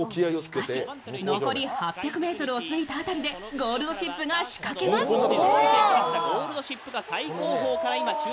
しかし、残り８００ｍを過ぎた辺りでゴールドシップが仕掛けます。